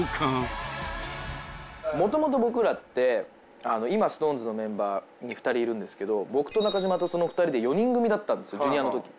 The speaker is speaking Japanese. もともと僕らって今ＳｉｘＴＯＮＥＳのメンバーに２人いるんですけど僕と中島とその２人で４人組だったんですよＪｒ．のとき。